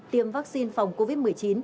tiêm vaccine phòng covid một mươi chín